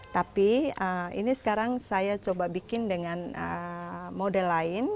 tapi ini sekarang saya coba bikin dengan model lain